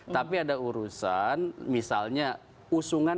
tapi ada urusan misalnya usungan